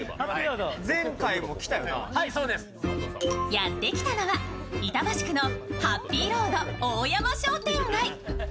やって来たのは板橋区のハッピーロード大山商店街。